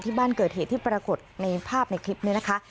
บ้านเกิดเหตุที่ปรากฏในภาพในคลิปนี้นะคะ